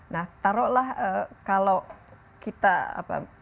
nah taruhlah kalau kita apa